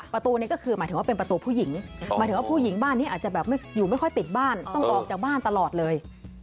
ประตูนี้ก็คือหมายถึงว่าเป็นประตูผู้หญิงหมายถึงว่าผู้หญิงบ้านนี้อาจจะแบบอยู่ไม่ค่อยติดบ้านต้องออกจากบ้านตลอดเลย